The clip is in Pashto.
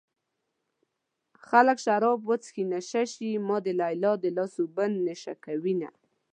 خلک شراب وڅښي نشه شي ما د ليلا د لاس اوبه نشه کوينه